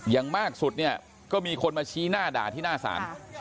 อย่างมากสุดเนี่ยก็มีคนมาชี้หน้าด่าที่หน้าศาล